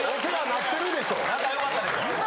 仲良かったでしょ。